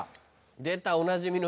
出たおなじみの。